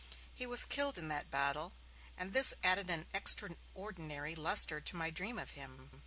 He was killed in that battle, and this added an extraordinary lustre to my dream of him.